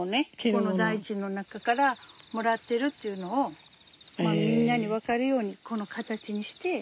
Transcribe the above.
この大地の中からもらってるっていうのをみんなに分かるようにこの形にして伝えたいなって。